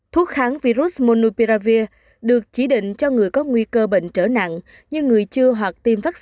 thuốc kháng virus monupiravir được chỉ định cho người có nguy cơ bệnh trở nặng như người chưa hoặc tiêm vaccine